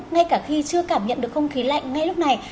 ngay cả khi chưa cảm nhận được không khí lạnh ngay lúc này